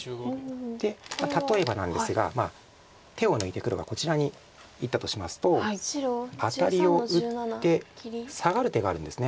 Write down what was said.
で例えばなんですが手を抜いて黒がこちらにいったとしますとアタリを打ってサガる手があるんです。